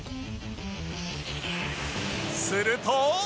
すると